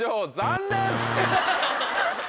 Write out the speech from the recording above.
残念！